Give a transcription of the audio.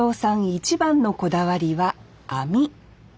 一番のこだわりは網。